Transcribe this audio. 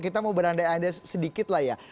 kita mau berandai andai sedikit lah ya